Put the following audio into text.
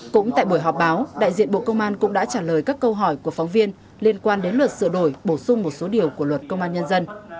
cũng tại buổi họp báo đại diện bộ công an cũng đã trả lời các câu hỏi của phóng viên liên quan đến luật sửa đổi bổ sung một số điều của luật công an nhân dân